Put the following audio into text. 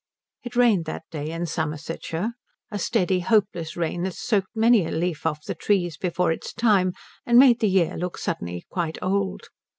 It rained that day in Somersetshire, a steady, hopeless rain that soaked many a leaf off the trees before its time and made the year look suddenly quite old.